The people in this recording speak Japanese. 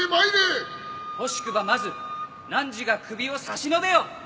「欲しくばまず汝が首を差し伸べよ！」